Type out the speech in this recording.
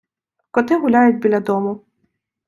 Коти гуляють біля дому